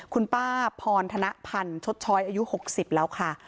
คุณป้าพรธนพันธ์ชดช้อยอายุ๖๐แล้วค่ะ